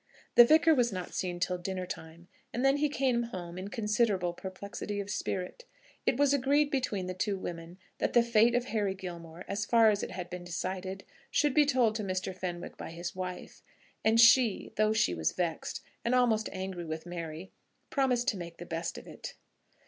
The Vicar was not seen till dinner time, and then he came home in considerable perplexity of spirit. It was agreed between the two women that the fate of Harry Gilmore, as far as it had been decided, should be told to Mr. Fenwick by his wife; and she, though she was vexed, and almost angry with Mary, promised to make the best of it.